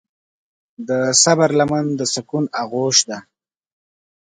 د صبر لمن د سکون آغوش ده.